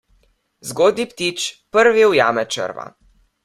Zgodnji ptič prvi ujame črva.